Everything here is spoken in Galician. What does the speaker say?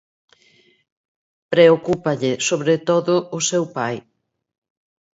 Preocúpalle sobre todo o seu pai.